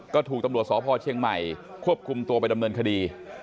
ก็ถูกตำรวจสพเชียงใหม่ควบคุมตัวไปดำเนินคดี